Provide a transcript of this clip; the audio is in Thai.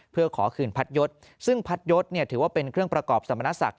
เพื่อขอคืนพัดยศซึ่งพัดยศถือว่าเป็นเครื่องประกอบสมณศักดิ